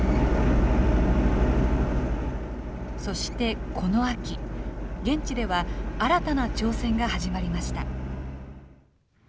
そしてこの秋、現地では新たな挑戦が始まりました。